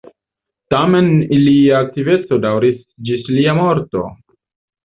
Tamen ilia amikeco daŭris ĝis lia morto.